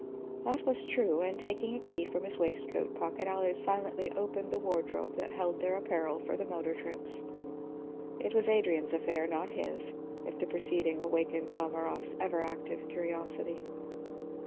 That was true, and taking a key from his waistcoat pocket Allard silently opened the wardrobe that held their apparel for the motor trips. It was Adrian's affair, not his, if the proceeding awakened Dalmorov's ever active curiosity.